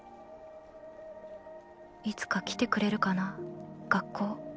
いつか来てくれるかな学校